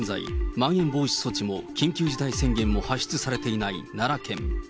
まん延防止措置も緊急事態宣言も発出されていない奈良県。